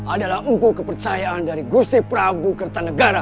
adalah empuk kepercayaan dari gusti prabu kertanegara